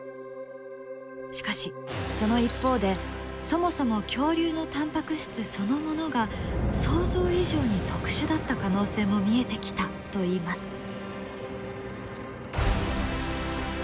しかしその一方でそもそも恐竜のタンパク質そのものが想像以上に特殊だった可能性も見えてきたといいます。